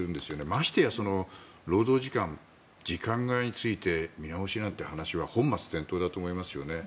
ましてや労働時間時間外について見直しなんていう話は本末転倒だと思いますよね。